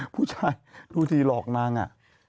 ผู้ชายดูสิหลอกนางอะ